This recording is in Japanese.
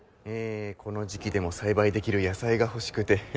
この時季でも栽培できる野菜が欲しくて。